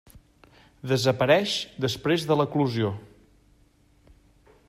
Desapareix després de l'eclosió.